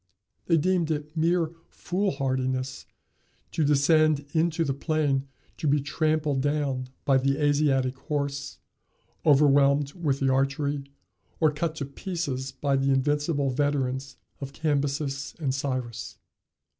They deemed it mere foolhardiness to descend into the plain to be trampled down by the Asiatic horse, overwhelmed with the archery, or cut to pieces by the invincible veterans of Cambyses and Cyrus.